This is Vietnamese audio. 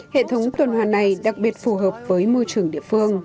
hệ thống tồn hoạt này đặc biệt phù hợp với môi trường địa phương